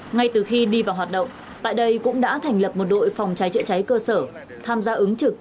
ngay từ khi đi vào hoạt động tại đây cũng đã thành lập một đội phòng trái trịa trái cơ sở tham gia ứng trực